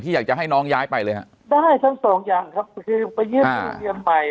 ที่อยากให้น้องย้ายไปเลยฮะได้ทั้งสองอย่างครับไปยื่นโรงเรียนใหม่